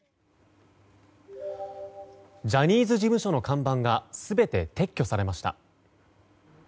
ジャニーズ事務所の看板が全て撤去されました。